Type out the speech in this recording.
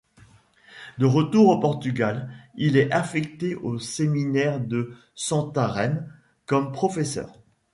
De retour au Portugal, il est affecté au séminaire de Santarém comme professeur.